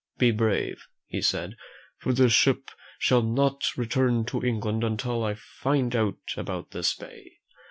"Be brave," he said, "for this ship shall not return to England until I find out about this bay."